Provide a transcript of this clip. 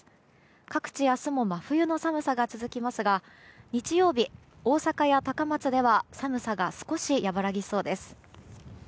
各地、明日も真冬の寒さが続きますが日曜日、大阪や高松では寒さが少し和らぎそうです。